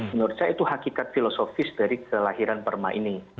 menurut saya itu hakikat filosofis dari kelahiran perma ini